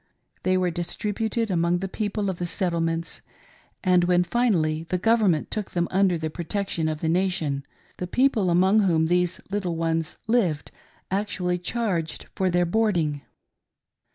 They were distributed among the people of the settlements, and when finally the Government took them under the protection of the nation, the people among whom these little ones lived actually charged for their boarding.